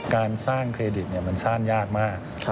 การสร้างเครดิตมันสร้างยากมาก